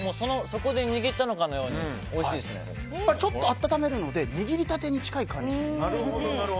そこで握ったかのようにちょっと温めるので握りたてに近い感じです。